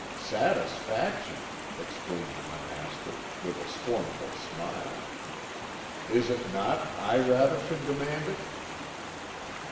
"'Satisfaction!' exclaimed my master, with a scornful smile. 'Is it not I rather should demand it?'